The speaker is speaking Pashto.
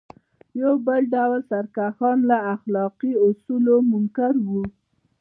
یو بل ډول سرکښان له اخلاقي اصولو منکر وو.